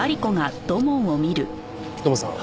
土門さん